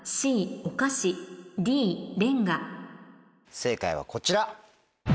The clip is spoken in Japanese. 正解はこちら！